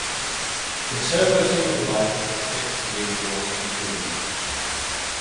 The turbosteamer device is affixed to the exhaust and cooling system.